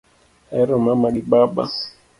Ahero mama gi baba